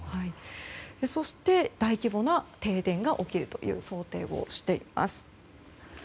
そして、大規模な停電が起きるという想定をしています。